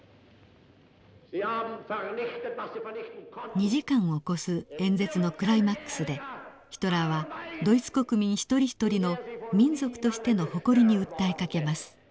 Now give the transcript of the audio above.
２時間を超す演説のクライマックスでヒトラーはドイツ国民一人一人の民族としての誇りに訴えかけます。